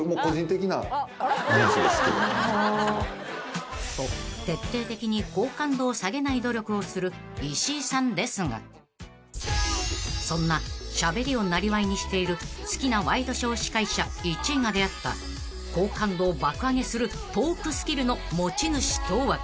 ［と徹底的に好感度を下げない努力をする石井さんですがそんなしゃべりをなりわいにしている好きなワイドショー司会者１位が出会った好感度を爆上げするトークスキルの持ち主とは？］